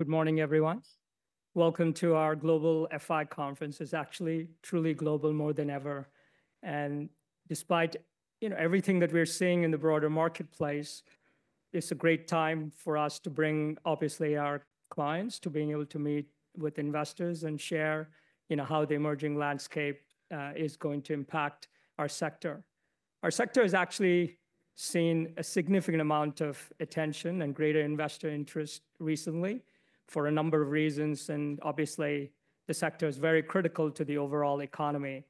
Good morning, everyone. Welcome to our Global FI Conference. It's actually truly global more than ever. And despite, you know, everything that we're seeing in the broader marketplace, it's a great time for us to bring, obviously, our clients to being able to meet with investors and share, you know, how the emerging landscape is going to impact our sector. Our sector has actually seen a significant amount of attention and greater investor interest recently for a number of reasons. And obviously, the sector is very critical to the overall economy.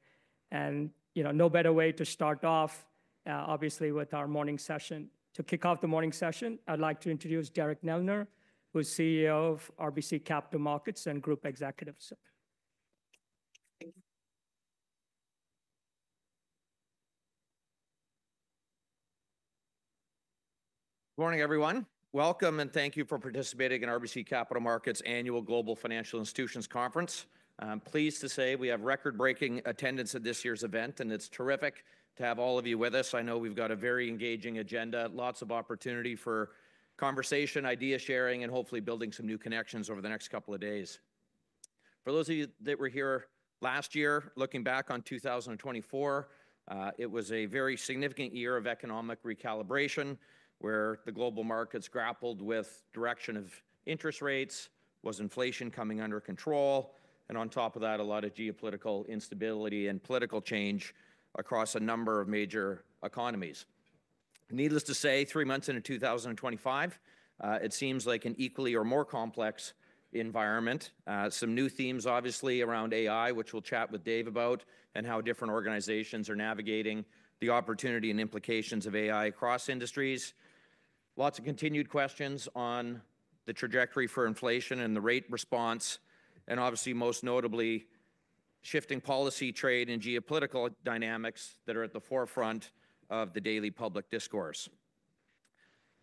And, you know, no better way to start off, obviously, with our morning session. To kick off the morning session, I'd like to introduce Derek Neldner, who's CEO of RBC Capital Markets and Group Executive. Good morning, everyone. Welcome, and thank you for participating in RBC Capital Markets' annual Global Financial Institutions Conference. I'm pleased to say we have record-breaking attendance at this year's event, and it's terrific to have all of you with us. I know we've got a very engaging agenda, lots of opportunity for conversation, idea sharing, and hopefully building some new connections over the next couple of days. For those of you that were here last year, looking back on 2024, it was a very significant year of economic recalibration, where the global markets grappled with the direction of interest rates, was inflation coming under control, and on top of that, a lot of geopolitical instability and political change across a number of major economies. Needless to say, three months into 2025, it seems like an equally or more complex environment. Some new themes, obviously, around AI, which we'll chat with Dave about, and how different organizations are navigating the opportunity and implications of AI across industries. Lots of continued questions on the trajectory for inflation and the rate response, and obviously, most notably, shifting policy, trade, and geopolitical dynamics that are at the forefront of the daily public discourse.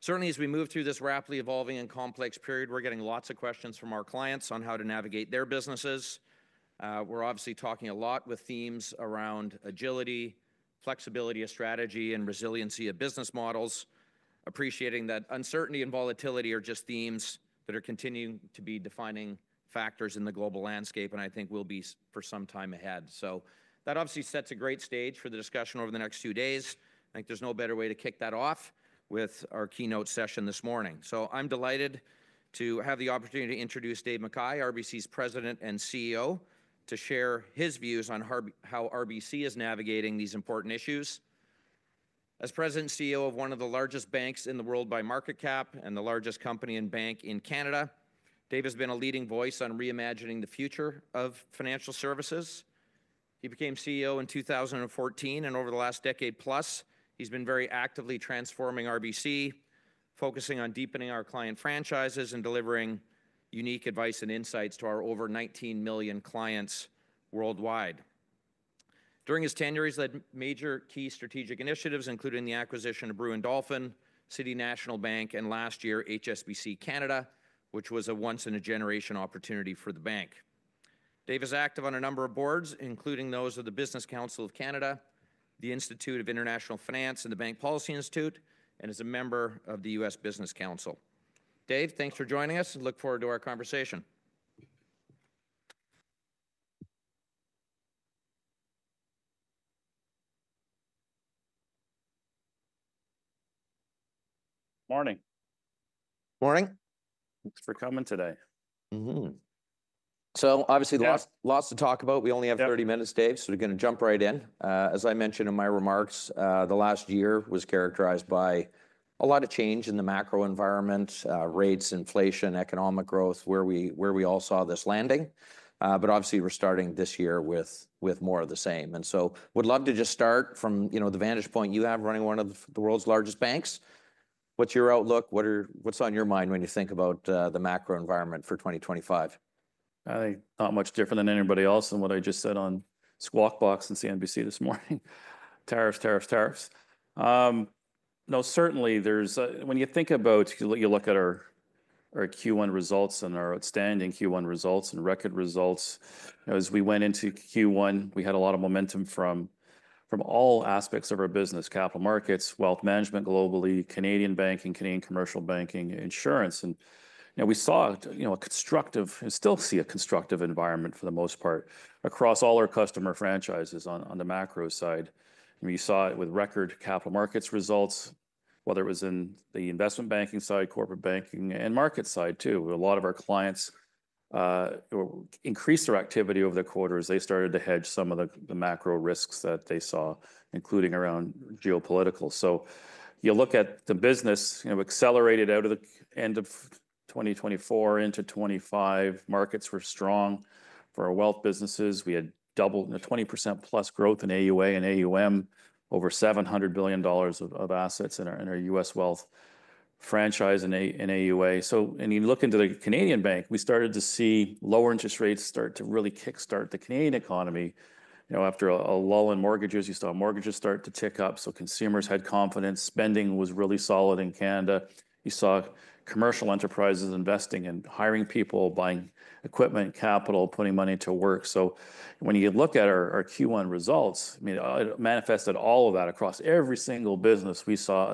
Certainly, as we move through this rapidly evolving and complex period, we're getting lots of questions from our clients on how to navigate their businesses. We're obviously talking a lot with themes around agility, flexibility of strategy, and resiliency of business models, appreciating that uncertainty and volatility are just themes that are continuing to be defining factors in the global landscape, and I think will be for some time ahead. So that obviously sets a great stage for the discussion over the next few days. I think there's no better way to kick that off with our keynote session this morning. So I'm delighted to have the opportunity to introduce Dave McKay, RBC's President and CEO, to share his views on how RBC is navigating these important issues. As President and CEO of one of the largest banks in the world by market cap and the largest company and bank in Canada, Dave has been a leading voice on reimagining the future of financial services. He became CEO in 2014, and over the last decade plus, he's been very actively transforming RBC, focusing on deepening our client franchises and delivering unique advice and insights to our over 19 million clients worldwide. During his tenure, he's led major key strategic initiatives, including the acquisition of Brewin Dolphin, City National Bank, and last year, HSBC Bank Canada, which was a once-in-a-generation opportunity for the bank. Dave is active on a number of boards, including those of the Business Council of Canada, the Institute of International Finance, and the Bank Policy Institute, and is a member of the U.S. Business Council. Dave, thanks for joining us, and look forward to our conversation. Morning. Morning. Thanks for coming today. Mm-hmm. So obviously, lots to talk about. We only have 30 minutes, Dave, so we're going to jump right in. As I mentioned in my remarks, the last year was characterized by a lot of change in the macro environment, rates, inflation, economic growth, where we all saw this landing. But obviously, we're starting this year with more of the same. And so we'd love to just start from the vantage point you have running one of the world's largest banks. What's your outlook? What's on your mind when you think about the macro environment for 2025? I think not much different than anybody else on what I just said on Squawk Box and CNBC this morning. Tariffs, tariffs, tariffs. No, certainly, when you think about, you look at our Q1 results and our outstanding Q1 results and record results, as we went into Q1, we had a lot of momentum from all aspects of our business: capital markets, wealth management globally, Canadian banking, Canadian commercial banking, insurance, and we saw a constructive, and still see a constructive environment for the most part across all our customer franchises on the macro side. You saw it with record capital markets results, whether it was in the investment banking side, corporate banking, and market side, too. A lot of our clients increased their activity over the quarter as they started to hedge some of the macro risks that they saw, including around geopolitical. You look at the business, accelerated out of the end of 2024 into 2025, markets were strong for our wealth businesses. We had doubled, 20%+ growth in AUA and AUM, over $700 billion of assets in our U.S. wealth franchise in AUA. So when you look into the Canadian bank, we started to see lower interest rates start to really kickstart the Canadian economy. After a lull in mortgages, you saw mortgages start to tick up. So consumers had confidence. Spending was really solid in Canada. You saw commercial enterprises investing and hiring people, buying equipment, capital, putting money to work. So when you look at our Q1 results, it manifested all of that across every single business. We saw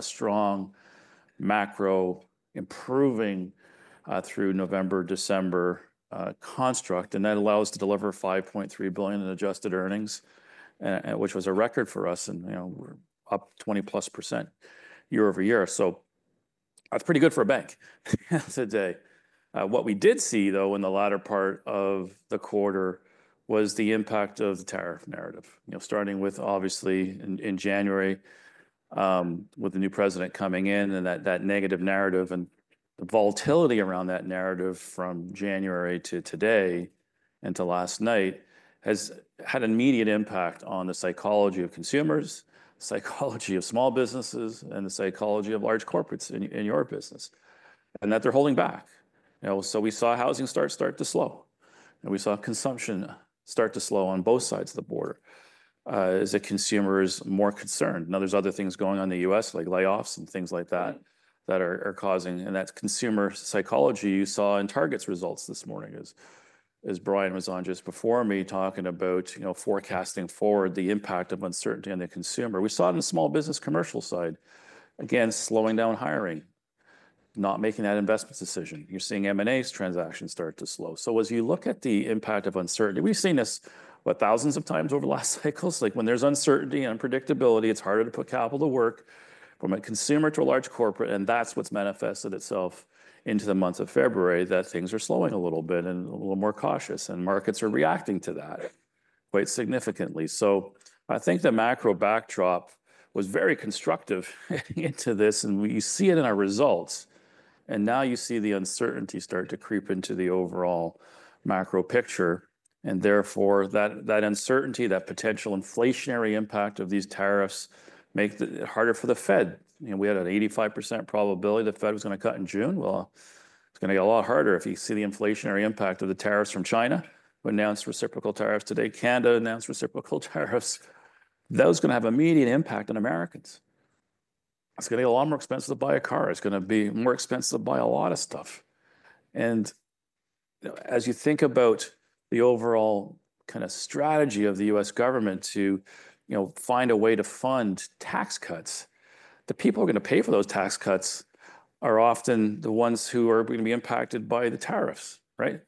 a strong macro improving through November-December construct. That allowed us to deliver 5.3 billion in adjusted earnings, which was a record for us, and we're up 20+% year-over-year. So that's pretty good for a bank today. What we did see, though, in the latter part of the quarter was the impact of the tariff narrative. Starting with, obviously, in January, with the new president coming in, and that negative narrative and the volatility around that narrative from January to today and to last night has had an immediate impact on the psychology of consumers, the psychology of small businesses, and the psychology of large corporates in your business, and that they're holding back. So we saw housing start to slow. And we saw consumption start to slow on both sides of the border as consumers are more concerned. Now, there's other things going on in the U.S., like layoffs and things like that that are causing, and that's consumer psychology. You saw in Target's results this morning, as Brian was on just before me, talking about forecasting forward the impact of uncertainty on the consumer. We saw it in the small business commercial side, again, slowing down hiring, not making that investment decision. You're seeing M&A transactions start to slow. So as you look at the impact of uncertainty, we've seen this thousands of times over the last cycles. Like when there's uncertainty and unpredictability, it's harder to put capital to work from a consumer to a large corporate. And that's what's manifested itself into the month of February that things are slowing a little bit and a little more cautious. And markets are reacting to that quite significantly. So I think the macro backdrop was very constructive into this. And you see it in our results. And now you see the uncertainty start to creep into the overall macro picture. And therefore, that uncertainty, that potential inflationary impact of these tariffs, makes it harder for the Fed. We had an 85% probability the Fed was going to cut in June. Well, it's going to get a lot harder if you see the inflationary impact of the tariffs from China. We announced reciprocal tariffs today. Canada announced reciprocal tariffs. That was going to have a material impact on Americans. It's going to get a lot more expensive to buy a car. It's going to be more expensive to buy a lot of stuff. And as you think about the overall kind of strategy of the U.S. Government to find a way to fund tax cuts, the people who are going to pay for those tax cuts are often the ones who are going to be impacted by the tariffs, right?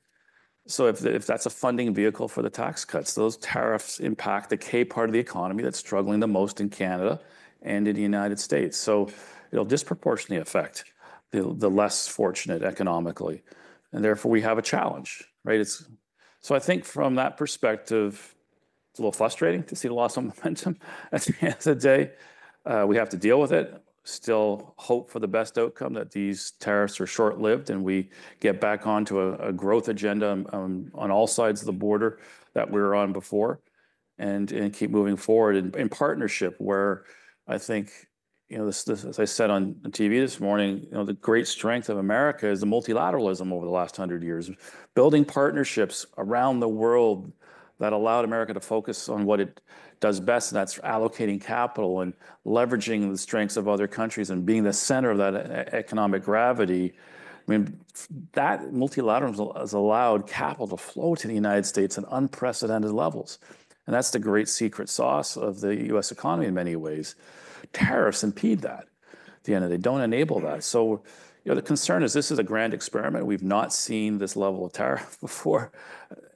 So if that's a funding vehicle for the tax cuts, those tariffs impact the key part of the economy that's struggling the most in Canada and in the United States. So it'll disproportionately affect the less fortunate economically. And therefore, we have a challenge, right? So I think from that perspective, it's a little frustrating to see the loss of momentum at the end of the day. We have to deal with it. Still hope for the best outcome that these tariffs are short-lived and we get back onto a growth agenda on all sides of the border that we were on before, and keep moving forward in partnership, where I think, as I said on TV this morning, the great strength of America is the multilateralism over the last 100 years. Building partnerships around the world that allowed America to focus on what it does best, and that's allocating capital and leveraging the strengths of other countries and being the center of that economic gravity. I mean, that multilateralism has allowed capital to flow to the United States at unprecedented levels. And that's the great secret sauce of the U.S. economy in many ways. Tariffs impede that at the end of the day. They don't enable that. So the concern is this is a grand experiment. We've not seen this level of tariff before,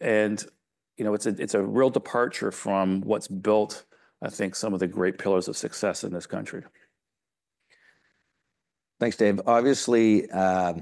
and it's a real departure from what's built, I think, some of the great pillars of success in this country. Thanks, Dave. Obviously, if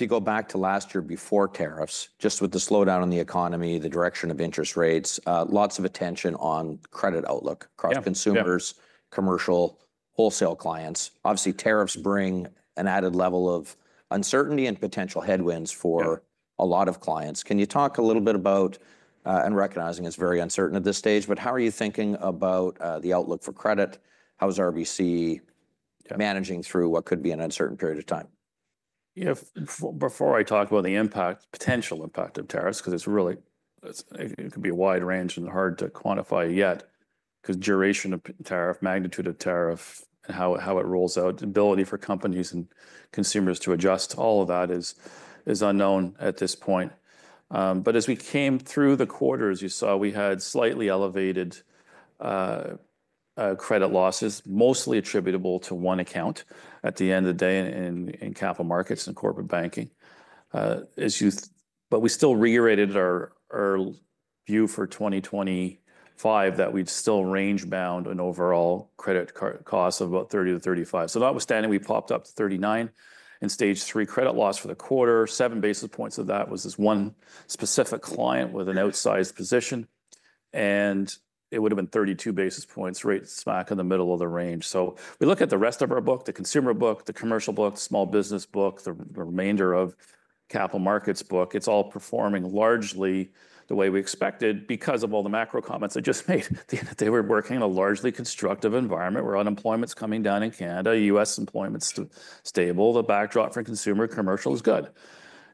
you go back to last year before tariffs, just with the slowdown in the economy, the direction of interest rates, lots of attention on credit outlook across consumers, commercial, and wholesale clients. Obviously, tariffs bring an added level of uncertainty and potential headwinds for a lot of clients. Can you talk a little bit about, and recognizing it's very uncertain at this stage, but how are you thinking about the outlook for credit? How is RBC managing through what could be an uncertain period of time? Yeah, before I talk about the potential impact of tariffs, because it's really, it could be a wide range and hard to quantify yet, because duration of tariff, magnitude of tariff, and how it rolls out, the ability for companies and consumers to adjust, all of that is unknown at this point. But as we came through the quarter, as you saw, we had slightly elevated credit losses, mostly attributable to one account at the end of the day in capital markets and corporate banking. But we still reiterated our view for 2025 that we'd still range bound an overall credit cost of about 30-35 basis points. So notwithstanding, we popped up to 39 basis points in stage 3 credit loss for the quarter. Seven basis points of that was this one specific client with an outsized position. It would have been 32 basis points rate smack in the middle of the range. So we look at the rest of our book, the consumer book, the commercial book, the small business book, the remainder of capital markets book. It's all performing largely the way we expected because of all the macro comments I just made at the end of the day. We're working in a largely constructive environment where unemployment's coming down in Canada, U.S. employment's stable, the backdrop for consumer commercial is good,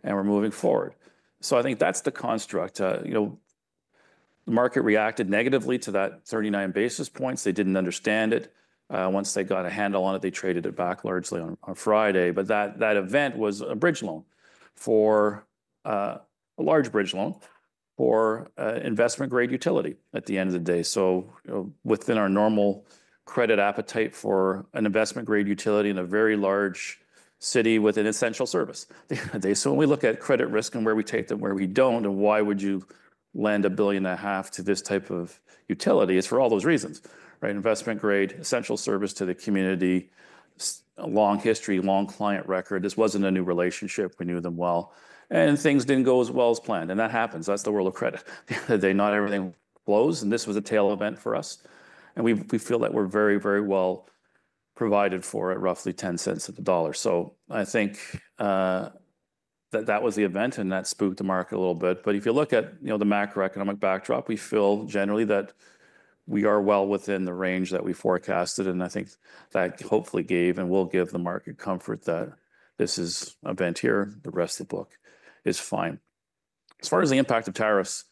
and we're moving forward. So I think that's the construct. The market reacted negatively to that 39 basis points. They didn't understand it. Once they got a handle on it, they traded it back largely on Friday. But that event was a bridge loan for a large bridge loan for investment-grade utility at the end of the day. Within our normal credit appetite for an investment-grade utility in a very large city with an essential service. When we look at credit risk and where we take them, where we don't, and why would you lend 1.5 billion to this type of utility is for all those reasons, right? Investment-grade, essential service to the community, long history, long client record. This wasn't a new relationship. We knew them well. Things didn't go as well as planned. That happens. That's the world of credit. At the end of the day, not everything blows. This was a tail event for us. We feel that we're very, very well provided for at roughly 10 cents on the dollar. I think that was the event, and that spooked the market a little bit. But if you look at the macroeconomic backdrop, we feel generally that we are well within the range that we forecasted. And I think that hopefully gave and will give the market comfort that this is an event here. The rest of the book is fine. As far as the impact of tariffs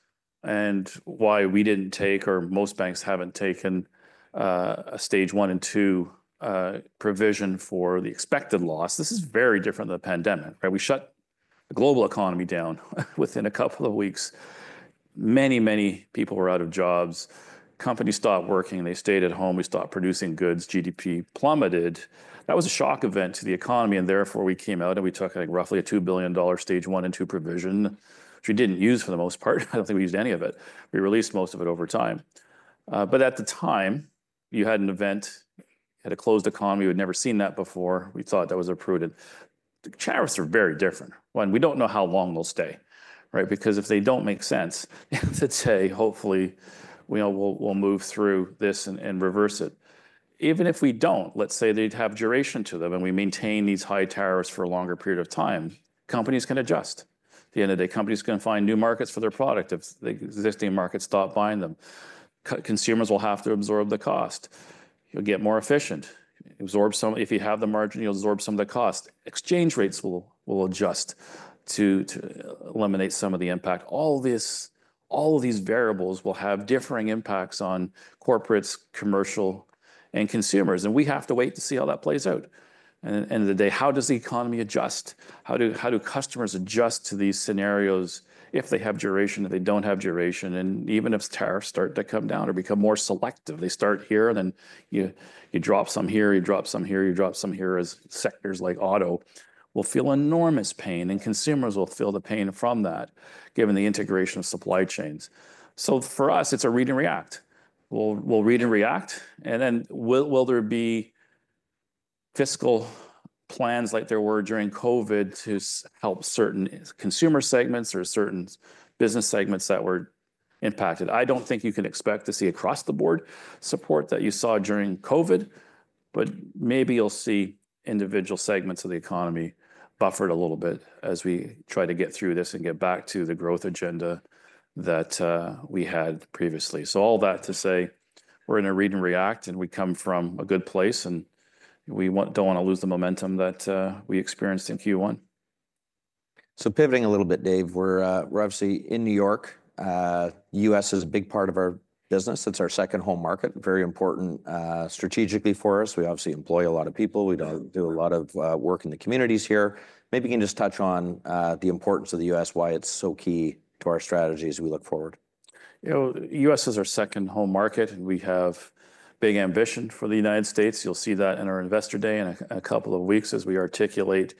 and why we didn't take, or most banks haven't taken a stage 1 and 2 provision for the expected loss, this is very different than the pandemic, right? We shut the global economy down within a couple of weeks. Many, many people were out of jobs. Companies stopped working. They stayed at home. We stopped producing goods. GDP plummeted. That was a shock event to the economy. And therefore, we came out and we took roughly a 2 billion dollar stage 1 and 2 provision, which we didn't use for the most part. I don't think we used any of it. We released most of it over time. But at the time, you had an event, had a closed economy. We'd never seen that before. We thought that was prudent. Tariffs are very different. One, we don't know how long they'll stay, right? Because if they don't make sense, let's say, hopefully, we'll move through this and reverse it. Even if we don't, let's say they'd have duration to them, and we maintain these high tariffs for a longer period of time, companies can adjust. At the end of the day, companies can find new markets for their product if the existing markets stop buying them. Consumers will have to absorb the cost. You'll get more efficient. If you have the margin, you'll absorb some of the cost. Exchange rates will adjust to eliminate some of the impact. All of these variables will have differing impacts on corporates, commercial, and consumers. And we have to wait to see how that plays out. And at the end of the day, how does the economy adjust? How do customers adjust to these scenarios if they have duration, if they don't have duration? And even if tariffs start to come down or become more selective, they start here, then you drop some here, you drop some here, you drop some here as sectors like auto will feel enormous pain, and consumers will feel the pain from that, given the integration of supply chains. So for us, it's a read and react. We'll read and react. And then will there be fiscal plans like there were during COVID to help certain consumer segments or certain business segments that were impacted? I don't think you can expect to see across the board support that you saw during COVID, but maybe you'll see individual segments of the economy buffered a little bit as we try to get through this and get back to the growth agenda that we had previously. So all that to say, we're in a read and react, and we come from a good place, and we don't want to lose the momentum that we experienced in Q1. So pivoting a little bit, Dave, we're obviously in New York. The U.S. is a big part of our business. It's our second home market, very important strategically for us. We obviously employ a lot of people. We do a lot of work in the communities here. Maybe you can just touch on the importance of the U.S., why it's so key to our strategies we look forward. The U.S. is our second home market, and we have big ambition for the United States. You'll see that in our Investor Day in a couple of weeks as we articulate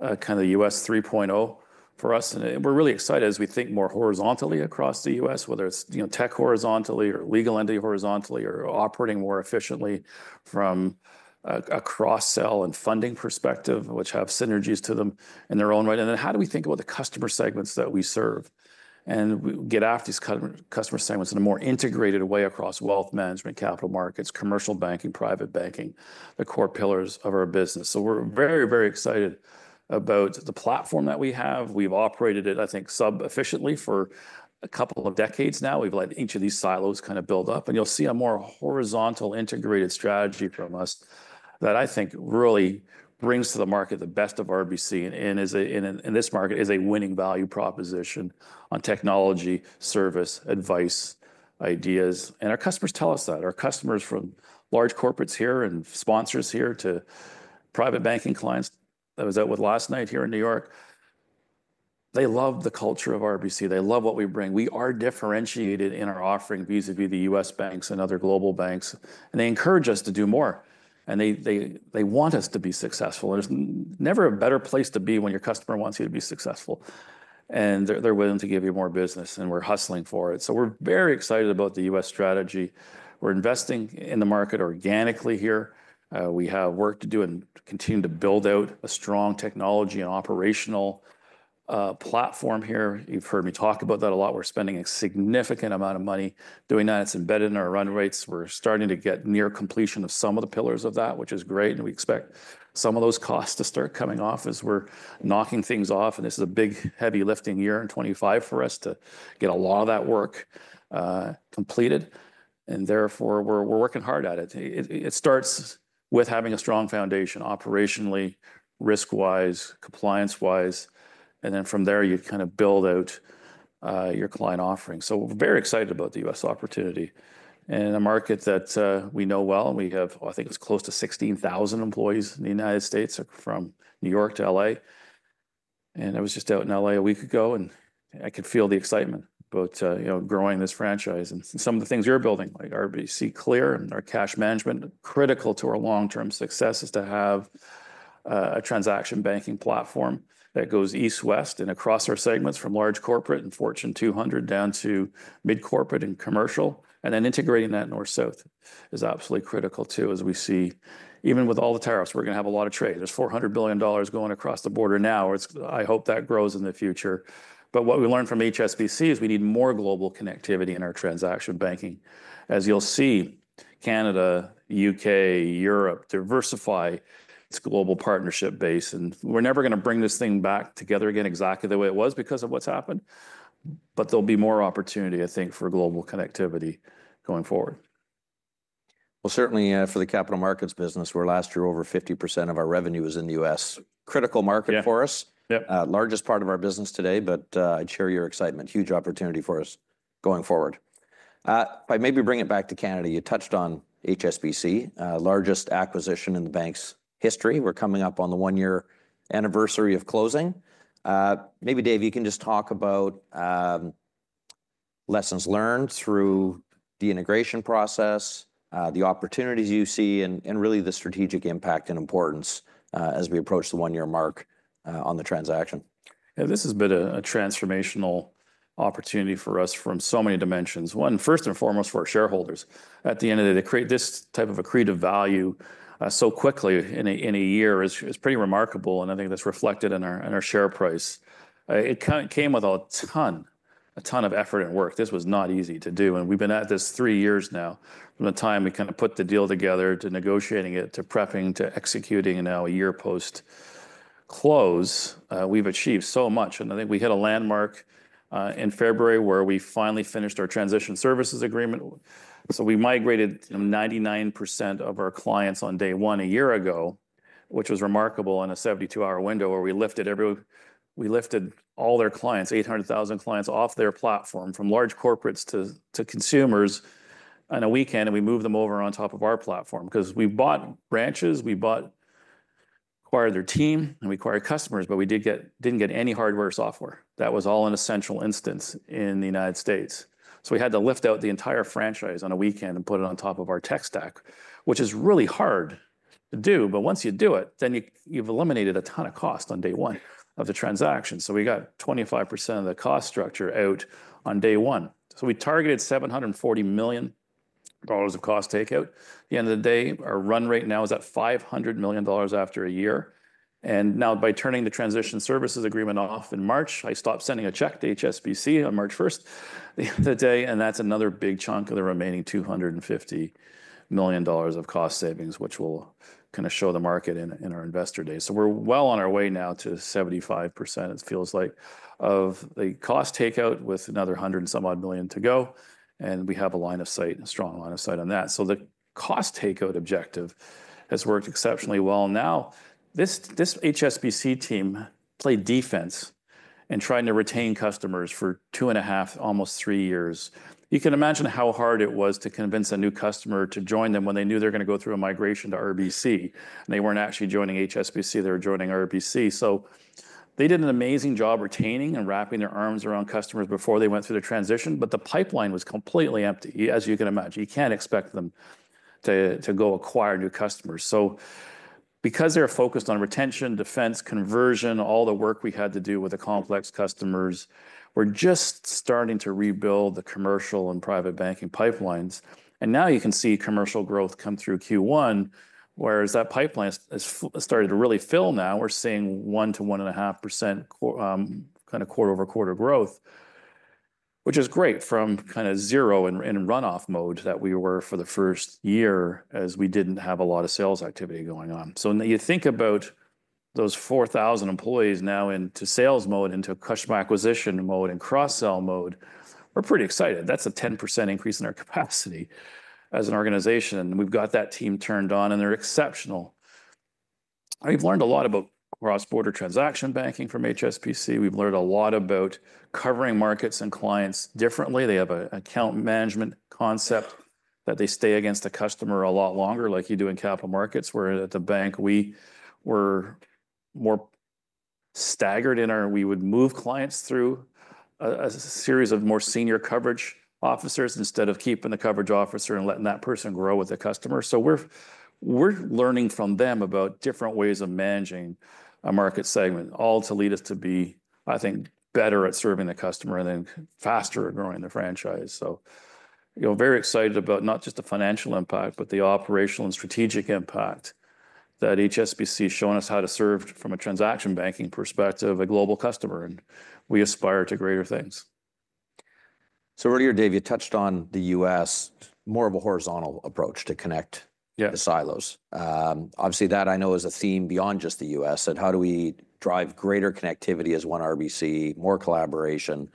kind of the U.S. 3.0 for us. And we're really excited as we think more horizontally across the U.S., whether it's tech horizontally or legal entity horizontally or operating more efficiently from a cross-sell and funding perspective, which have synergies to them in their own right. And then how do we think about the customer segments that we serve and get after these customer segments in a more integrated way across wealth management, capital markets, commercial banking, private banking, the core pillars of our business? So we're very, very excited about the platform that we have. We've operated it, I think, sub-efficiently for a couple of decades now. We've let each of these silos kind of build up. And you'll see a more horizontal integrated strategy from us that I think really brings to the market the best of RBC, and in this market is a winning value proposition on technology, service, advice, ideas. Our customers tell us that. Our customers from large corporates here and sponsors here to private banking clients that was out with last night here in New York, they love the culture of RBC. They love what we bring. We are differentiated in our offering vis-à-vis the U.S. banks and other global banks. And they encourage us to do more. And they want us to be successful. There's never a better place to be when your customer wants you to be successful. And they're willing to give you more business. And we're hustling for it. So we're very excited about the U.S. strategy. We're investing in the market organically here. We have work to do and continue to build out a strong technology and operational platform here. You've heard me talk about that a lot. We're spending a significant amount of money doing that. It's embedded in our run rates. We're starting to get near completion of some of the pillars of that, which is great. And we expect some of those costs to start coming off as we're knocking things off. And this is a big, heavy-lifting year in 2025 for us to get a lot of that work completed. And therefore, we're working hard at it. It starts with having a strong foundation operationally, risk-wise, compliance-wise. And then from there, you kind of build out your client offering. So we're very excited about the U.S. opportunity and a market that we know well. We have, I think, it's close to 16,000 employees in the United States from New York to LA. And I was just out in LA a week ago, and I could feel the excitement about growing this franchise and some of the things we're building, like RBC Clear and our cash management. Critical to our long-term success is to have a transaction banking platform that goes east-west and across our segments from large corporate and Fortune 200 down to mid-corporate and commercial. And then integrating that north-south is absolutely critical too, as we see even with all the tariffs, we're going to have a lot of trade. There's $400 billion going across the border now. I hope that grows in the future. But what we learned from HSBC is we need more global connectivity in our transaction banking. As you'll see, Canada, U.K., Europe diversify its global partnership base. We're never going to bring this thing back together again exactly the way it was because of what's happened. There'll be more opportunity, I think, for global connectivity going forward. Certainly for the capital markets business, where last year over 50% of our revenue was in the U.S., critical market for us, largest part of our business today, but I share your excitement. Huge opportunity for us going forward. If I maybe bring it back to Canada, you touched on HSBC, largest acquisition in the bank's history. We're coming up on the one-year anniversary of closing. Maybe, Dave, you can just talk about lessons learned through the integration process, the opportunities you see, and really the strategic impact and importance as we approach the one-year mark on the transaction. Yeah, this has been a transformational opportunity for us from so many dimensions. One, first and foremost, for our shareholders. At the end of the day, to create this type of accretive value so quickly in a year is pretty remarkable, and I think that's reflected in our share price. It came with a ton of effort and work. This was not easy to do, and we've been at this three years now, from the time we kind of put the deal together to negotiating it to prepping to executing now a year post-close. We've achieved so much, and I think we hit a landmark in February where we finally finished our Transition Services Agreement. We migrated 99% of our clients on day one a year ago, which was remarkable in a 72-hour window where we lifted all their clients, 800,000 clients off their platform from large corporates to consumers on a weekend. And we moved them over on top of our platform because we bought branches, acquired their team, and we acquired customers. But we didn't get any hardware or software. That was all an essential instance in Canada. So we had to lift out the entire franchise on a weekend and put it on top of our tech stack, which is really hard to do. But once you do it, then you've eliminated a ton of cost on day one of the transaction. So we got 25% of the cost structure out on day one. So we targeted 740 million dollars of cost takeout. At the end of the day, our run rate now is at 500 million dollars after a year, and now, by turning the transition services agreement off in March, I stopped sending a check to HSBC on March 1st, the day, and that's another big chunk of the remaining 250 million dollars of cost savings, which will kind of show the market in our Investor Day, so we're well on our way now to 75%, it feels like, of the cost takeout with another hundred and some odd million to go, and we have a line of sight, a strong line of sight on that, so the cost takeout objective has worked exceptionally well. Now, this HSBC team played defense in trying to retain customers for two and a half, almost three years. You can imagine how hard it was to convince a new customer to join them when they knew they were going to go through a migration to RBC. And they weren't actually joining HSBC. They were joining RBC. So they did an amazing job retaining and wrapping their arms around customers before they went through the transition. But the pipeline was completely empty, as you can imagine. You can't expect them to go acquire new customers. So, because they're focused on retention, defense, conversion, all the work we had to do with the complex customers, we're just starting to rebuild the commercial and private banking pipelines. And now you can see commercial growth come through Q1, whereas that pipeline has started to really fill now. We're seeing 1%-1.5% kind of quarter-over-quarter growth, which is great from kind of zero and runoff mode that we were for the first year,, as we didn't have a lot of sales activity going on. So you think about those 4,000 employees now into sales mode, into customer acquisition mode, and cross-sell mode, we're pretty excited. That's a 10% increase in our capacity as an organization. And we've got that team turned on, and they're exceptional. We've learned a lot about cross-border transaction banking from HSBC. We've learned a lot about covering markets and clients differently. They have an account management concept that they stay in front of the customer a lot longer, like you do in capital markets, where at the bank, we were more staggered in our approach. We would move clients through a series of more senior coverage officers instead of keeping the coverage officer and letting that person grow with the customer. So we're learning from them about different ways of managing a market segment, all to lead us to be, I think, better at serving the customer and then faster at growing the franchise. So very excited about not just the financial impact, but the operational and strategic impact that HSBC has shown us how to serve a global customer from a transaction banking perspective, and we aspire to greater things. So, earlier, Dave, you touched on the U.S., more of a horizontal approach to connect the silos. Obviously, that I know is a theme beyond just the U.S., and how do we drive greater connectivity as one RBC, more collaboration.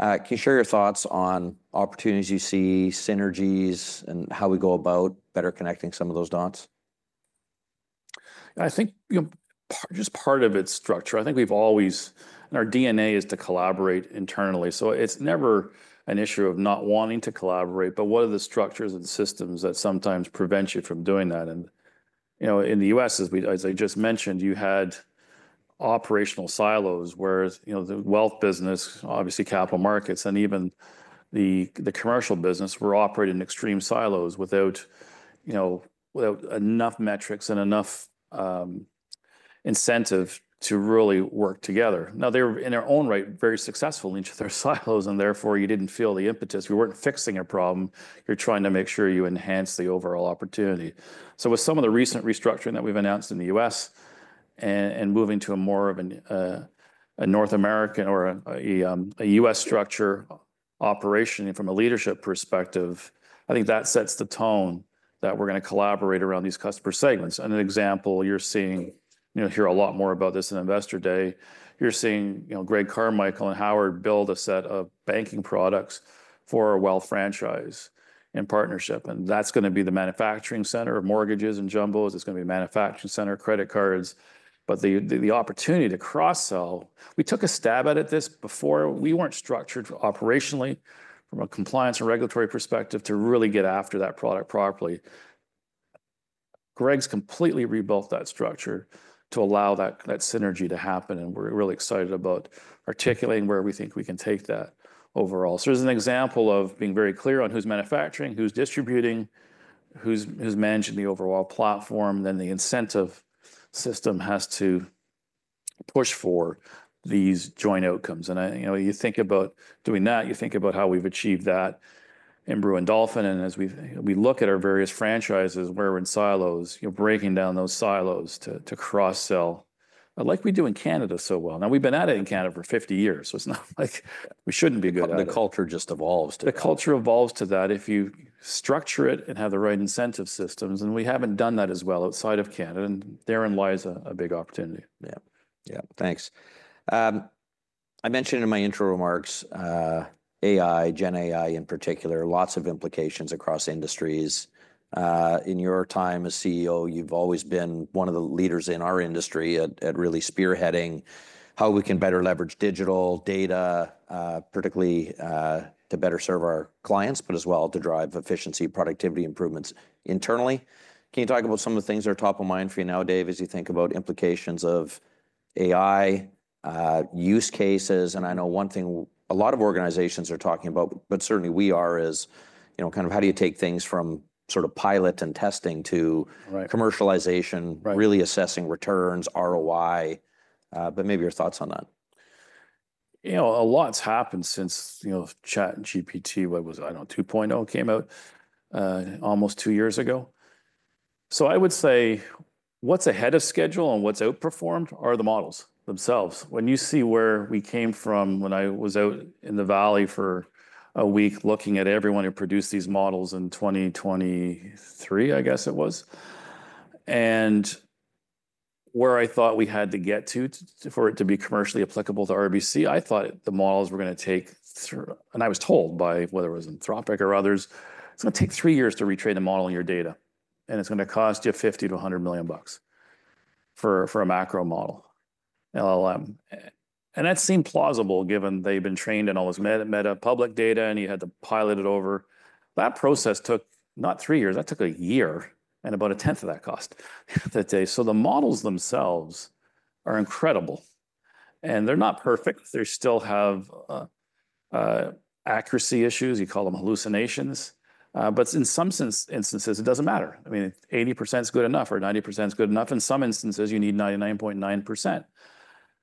Can you share your thoughts on opportunities you see, synergies, and how we go about better connecting some of those dots? I think just part of its structure. I think we've always and our DNA is to collaborate internally. So it's never an issue of not wanting to collaborate, but what are the structures and systems that sometimes prevent you from doing that? And in the U.S., as I just mentioned, you had operational silos where the wealth business, obviously, capital markets, and even the commercial business were operating in extreme silos without enough metrics and enough incentive to really work together. Now, they were in their own right very successful in each of their silos, and therefore, you didn't feel the impetus. We weren't fixing a problem. You're trying to make sure you enhance the overall opportunity. So with some of the recent restructuring that we've announced in the U.S. and moving to a more of a North American or a U.S. structure operation from a leadership perspective, I think that sets the tone that we're going to collaborate around these customer segments. And an example you're seeing here a lot more about this in Investor Day, you're seeing Greg Carmichael and Howard build a set of banking products for a wealth franchise in partnership. And that's going to be the manufacturing center of mortgages and jumbos. It's going to be a manufacturing center of credit cards. But the opportunity to cross-sell, we took a stab at it before this. We weren't structured operationally from a compliance and regulatory perspective to really get after that product properly. Greg's completely rebuilt that structure to allow that synergy to happen. And we're really excited about articulating where we think we can take that overall. So as an example of being very clear on who's manufacturing, who's distributing, who's managing the overall platform, then the incentive system has to push for these joint outcomes. And you think about doing that, you think about how we've achieved that in Brewin Dolphin. And as we look at our various franchises where we're in silos, breaking down those silos to cross-sell like we do in Canada so well. Now, we've been at it in Canada for 50 years. So it's not like we shouldn't be good at it. The culture just evolves to that. The culture evolves to that if you structure it and have the right incentive systems, and we haven't done that as well outside of Canada, and therein lies a big opportunity. Yeah. Yeah. Thanks. I mentioned in my intro remarks AI, GenAI in particular, lots of implications across industries. In your time as CEO, you've always been one of the leaders in our industry at really spearheading how we can better leverage digital data, particularly to better serve our clients, but as well to drive efficiency, productivity improvements internally. Can you talk about some of the things that are top of mind for you now, Dave, as you think about implications of AI use cases? And I know one thing a lot of organizations are talking about, but certainly we are, is kind of how do you take things from sort of pilot and testing to commercialization, really assessing returns, ROI? But maybe your thoughts on that. A lot's happened since ChatGPT, what was, I don't know, 2.0 came out almost two years ago, so I would say what's ahead of schedule and what's outperformed are the models themselves. When you see where we came from when I was out in the valley for a week looking at everyone who produced these models in 2023, I guess it was, and where I thought we had to get to for it to be commercially applicable to RBC, I thought the models were going to take through, and I was told by whether it was Anthropic or others, it's going to take three years to retrain the model in your data, and it's going to cost you $50 million-$100 million for a macro model, LLM. And that seemed plausible given they've been trained in all this massive public data and you had to pilot it over. That process took not three years. That took a year, and about a tenth of that cost that day. So the models themselves are incredible. And they're not perfect. They still have accuracy issues. You call them hallucinations. But in some instances, it doesn't matter. I mean, 80% is good enough, or 90% is good enough. In some instances, you need 99.9%.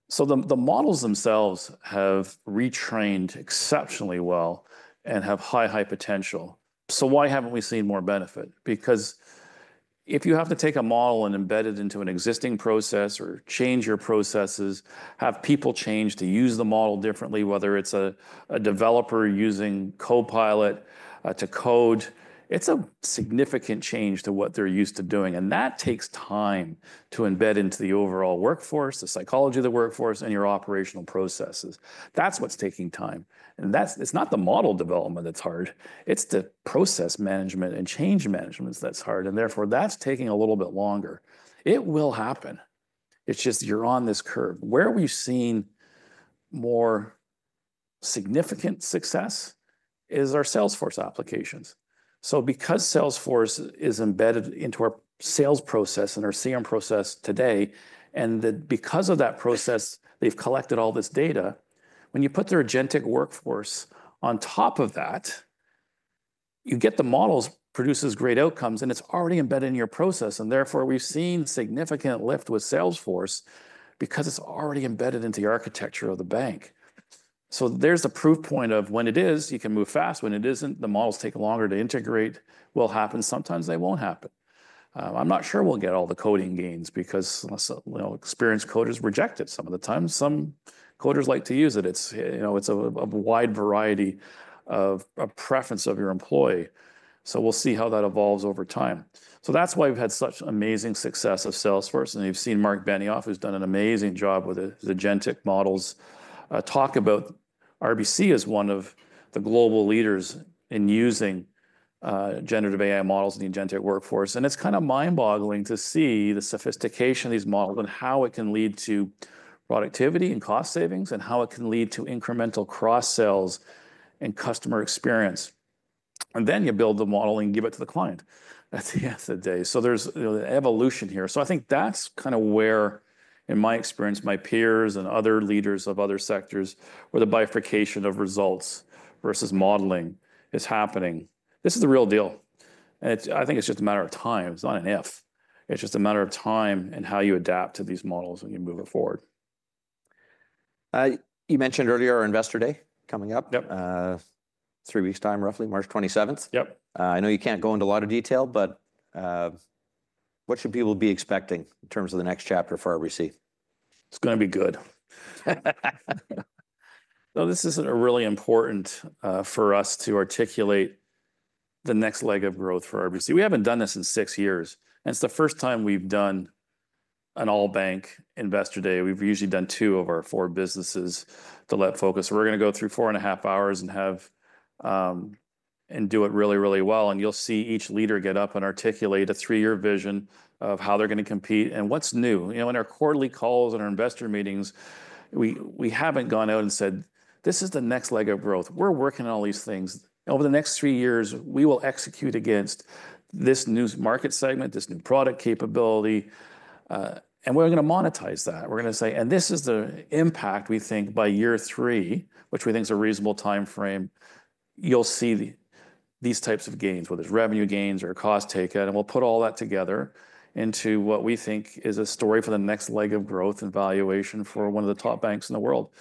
So the models themselves have retrained exceptionally well and have high, high potential. So why haven't we seen more benefit? Because if you have to take a model and embed it into an existing process or change your processes, have people change to use the model differently, whether it's a developer using Copilot to code, it's a significant change to what they're used to doing. And that takes time to embed into the overall workforce, the psychology of the workforce, and your operational processes. That's what's taking time. It's not the model development that's hard. It's the process management and change management that's hard. Therefore, that's taking a little bit longer. It will happen. It's just you're on this curve. Where we've seen more significant success is our Salesforce applications. Because Salesforce is embedded into our sales process and our CRM process today, and because of that process, they've collected all this data. When you put the agentic workforce on top of that, you get the models produce great outcomes, and it's already embedded in your process. Therefore, we've seen significant lift with Salesforce because it's already embedded into the architecture of the bank. There's the proof point of when it is, you can move fast. When it isn't, the models take longer to integrate. Will happen. Sometimes they won't happen. I'm not sure we'll get all the coding gains because experienced coders reject it some of the time. Some coders like to use it. It's a wide variety of preference of your employee. So we'll see how that evolves over time. So that's why we've had such amazing success of Salesforce. And you've seen Marc Benioff, who's done an amazing job with the agentic models, talk about RBC as one of the global leaders in using generative AI models in the agentic workforce. And it's kind of mind-boggling to see the sophistication of these models and how it can lead to productivity and cost savings, and how it can lead to incremental cross-sells and customer experience. And then you build the model and give it to the client at the end of the day. So there's the evolution here. So I think that's kind of where, in my experience, my peers and other leaders of other sectors, where the bifurcation of results versus modeling is happening. This is the real deal. And I think it's just a matter of time. It's not an if. It's just a matter of time and how you adapt to these models when you move it forward. You mentioned earlier our Investor Day coming up. Three weeks' time, roughly, March 27th. I know you can't go into a lot of detail, but what should people be expecting in terms of the next chapter for RBC? It's going to be good. No, this is really important for us to articulate the next leg of growth for RBC. We haven't done this in six years, and it's the first time we've done an all-bank investor day. We've usually done two of our four businesses to let focus. We're going to go through four and a half hours and do it really, really well, and you'll see each leader get up and articulate a three-year vision of how they're going to compete, and what's new? In our quarterly calls and our investor meetings, we haven't gone out and said, "This is the next leg of growth. We're working on all these things. Over the next three years, we will execute against this new market segment, this new product capability. And we're going to monetize that. We're going to say, "And this is the impact we think by year three, which we think is a reasonable time frame." You'll see these types of gains, whether it's revenue gains or a cost takeout. And we'll put all that together into what we think is a story for the next leg of growth and valuation for one of the top banks in the world.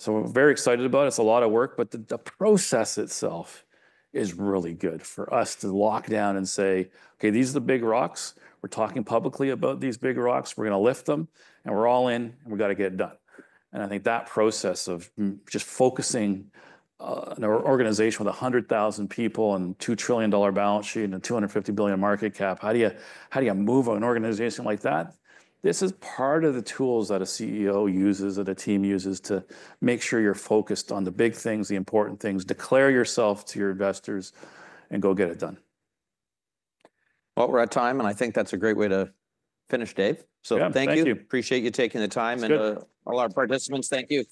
So we're very excited about it. It's a lot of work, but the process itself is really good for us to lock down and say, "Okay, these are the big rocks. We're talking publicly about these big rocks. We're going to lift them. And we're all in. And we've got to get it done," and I think that process of just focusing an organization with 100,000 people and a $2-trillion balance sheet anda $250-billion market cap, how do you move an organization like that? This is part of the tools that a CEO uses and a team uses to make sure you're focused on the big things, the important things, declare yourself to your investors, and go get it done. We're at time. I think that's a great way to finish, Dave. Thank you. So thank you. Appreciate you taking the time. And all our participants, thank you.